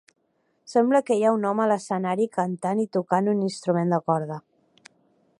Sembla que hi ha un home a l'escenari cantant i tocant un instrument de corda.